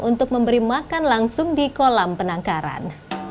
untuk memberi makan langsung di kolam penangkaran